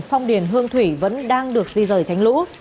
phong điền hương thủy vẫn đang được di rời tránh lũ